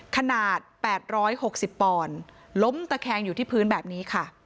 ขนาด๘๖๐ปอนด์ล้มตะแคงอยู่ที่พื้นแบบนี้ค่ะ